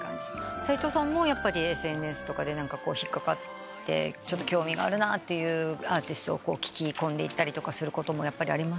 斎藤さんもＳＮＳとかで引っ掛かって興味があるなってアーティストを聞き込んでいったりとかすることもありますか？